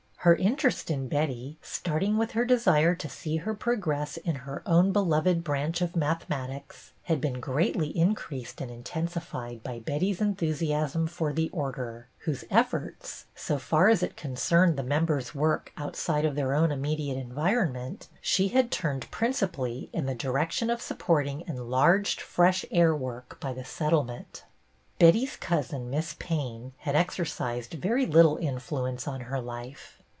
Her inter est in Betty, starting with her desire to see her progress in her own beloved branch of mathematics, had been greatly increased and intensified by Betty's enthusiasm for the Order, whose efforts, so far as it concerned the members' work outside of their own im mediate environment, she had turned }Drinci pally in the direction of sujjporting enlarged fresh air work by the Settlement. Betty's cousin. Miss Payne, had exercised very little influence on her life.